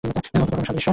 অদ্ভুত রকমের সাদৃশ্য।